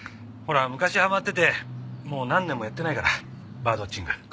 ほら昔はまっててもう何年もやってないからバードウォッチング。